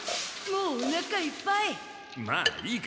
もうおなかいっぱい。